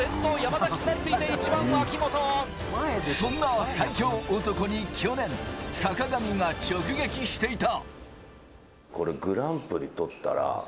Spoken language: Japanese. そんな最強男に去年、坂上が直撃していた。